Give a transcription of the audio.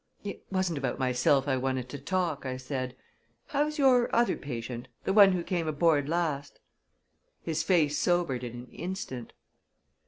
"It wasn't about myself I wanted to talk," I said. "How's your other patient the one who came aboard last?" His face sobered in an instant.